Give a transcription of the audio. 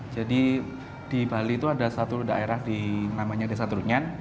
jadi di bali itu ada satu daerah namanya desa trunjan